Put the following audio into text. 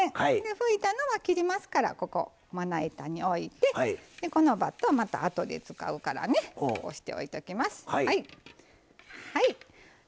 拭いたのは切りますからここまな板においてこのバットはまたあとで使うからねこうしておいときます。